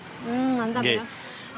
hmm mantap ya